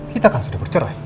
kita kan sudah bercerai